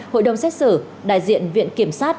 hội đồng xét xử đại diện viện kiểm soát